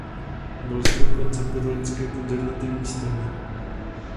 Byl stoupencem katolické konzervativní strany.